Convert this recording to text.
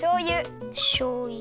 しょうゆ。